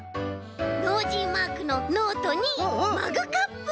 ノージーマークのノートにマグカップ！